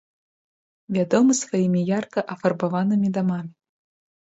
Вядомы сваімі ярка афарбаванымі дамамі.